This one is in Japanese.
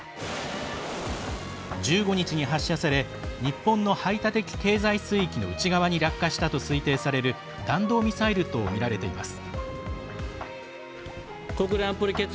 １５日に発射され日本の排他的経済水域の内側に落下したと推定される弾道ミサイルとみられています。